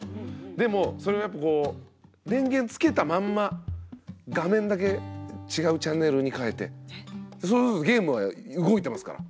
でもそれをやっぱこう電源つけたまんま画面だけ違うチャンネルに変えてそれこそゲームは動いてますから。